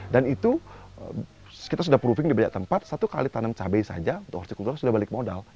dan itu kita sudah proving di banyak tempat satu kali tanam cabai saja sudah balik modal